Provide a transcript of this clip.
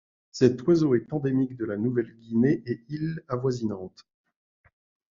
Cet oiseau est endémique de la Nouvelle-Guinée et îles avoisinantes.